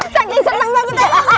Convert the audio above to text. cak yang senangnya kita